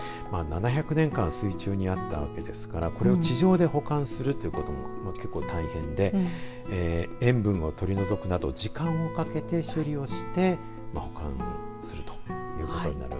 ７００年間水中にあったわけですからこれを地上で保管するということも結構大変で塩分を取り除くなど時間をかけて処理をして保管をするということになる。